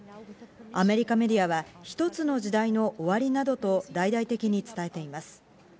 アメリカメディアは一つの時代の終わりなどと大々的に伝えています。